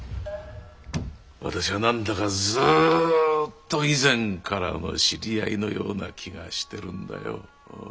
私は何だかずっと以前からの知り合いのような気がしてるんだよ。